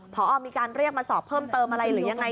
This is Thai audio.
พอมีการเรียกมาสอบเพิ่มเติมอะไรหรือยังไง